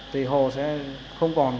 thì hồ sẽ không còn